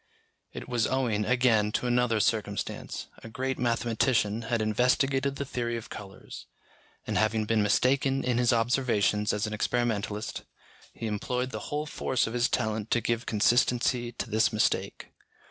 It was owing, again, to another circumstance: a great mathematician had investigated the theory of colours, and having been mistaken in his observations as an experimentalist, he employed the whole force of his talent to give consistency to this mistake.